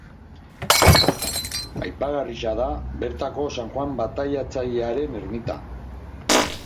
Aipagarria da bertako San Joan Bataiatzailearen ermita.